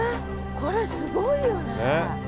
これすごいよね。